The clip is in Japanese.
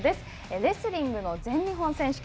レスリングの全日本選手権。